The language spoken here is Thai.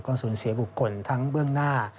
สูญเสียบุคคลทั้งเบื้องหน้า